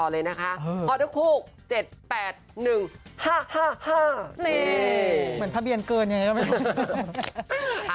แล้วแต่คิดเอา